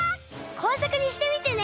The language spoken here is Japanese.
こうさくにしてみてね！